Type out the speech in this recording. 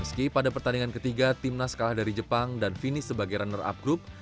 meski pada pertandingan ketiga timnas kalah dari jepang dan finish sebagai runner up group